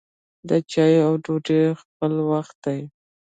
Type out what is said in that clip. د چايو او ډوډۍ خپله وخت يي.